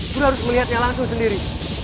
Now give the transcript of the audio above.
guru harus melihatnya langsung sendiri